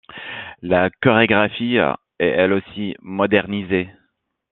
La chorégraphie est elle aussi modernisée.